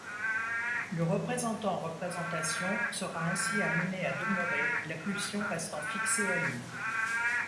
Le représentant-représentation sera ainsi amené à demeurer, la pulsion restant fixée à lui.